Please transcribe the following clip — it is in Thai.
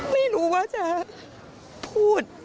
ไม่รู้ว่าจะพูด